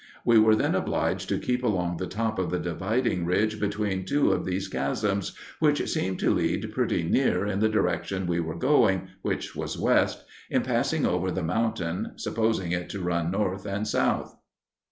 We were then obliged to keep along the top of the dividing ridge between two of these chasms which seemed to lead pretty near in the direction we were going—which was west,—in passing over the mountain, supposing it to run north and south.